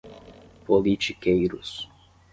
politiqueiros